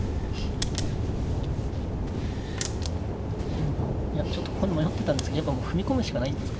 うんいやちょっとここで迷ってたんですけどやっぱもう踏み込むしかないんですか。